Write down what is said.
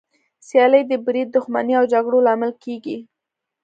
سیالي د بريد، دښمني او جګړو لامل کېږي.